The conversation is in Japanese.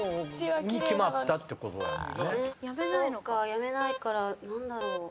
辞めないから何だろう？